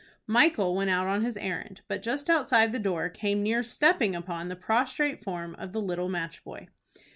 Michael went out on his errand, but just outside the door came near stepping upon the prostrate form of the little match boy.